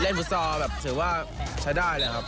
ฟุตซอลแบบถือว่าใช้ได้เลยครับ